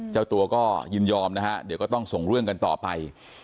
เจ้าตัวก็ยินยอมนะฮะเดี๋ยวก็ต้องส่งเรื่องกันต่อไป